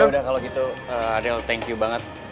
yaudah kalo gitu adel thank you banget